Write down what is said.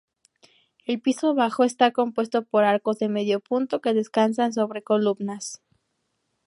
El piso bajo está compuesto por arcos de medio punto que descansan sobre columnas.